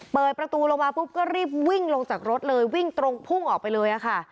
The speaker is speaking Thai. เปิดประตูลงมาปุ๊บก็รีบวิ่งลงจากรถเลยวิ่งตรงพุ่งออกไปเลยค่ะ